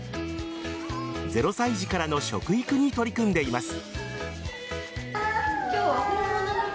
０歳児からの食育に取り組んでいます。